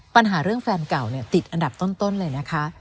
ปัญหาเรื่องแฟนเก่าติดอันดับต้นเลยนะคะ